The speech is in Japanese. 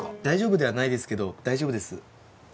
大丈夫ではないですけど大丈夫です